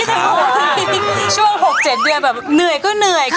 อ่ะโอ้โหค่ะคิดถึงหัวช่วงหกเจ็ดเดือนแบบเหนื่อยก็เหนื่อยค่ะ